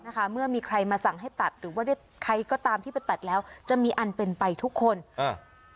เมื่อมีใครมาสั่งให้ตัดหรือว่าได้ใครก็ตามที่ไปตัดแล้วจะมีอันเป็นไปทุกคนอ่า